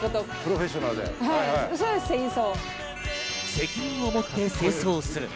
責任を持って清掃する。